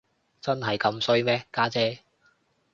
真係咁衰咩，家姐？